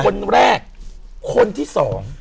คนแรกคนที่สอง